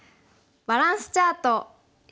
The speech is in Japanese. バランスチャート。